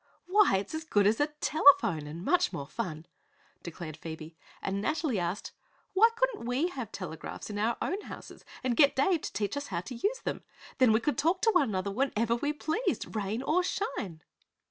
"Why, it's as good as a telephone, and much more fun," declared Phoebe, and Nathalie asked: "Why couldn't we have telegraphs in our own houses, and get Dave to teach us how to use them? Then we could talk to one another whenever we pleased rain or shine."